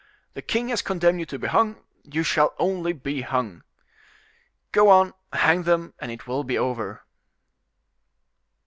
The king has condemned you to be hung: you shall only be hung. Go on, hang them, and it will be over."